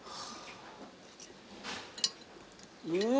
うん。